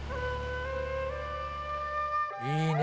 いいね。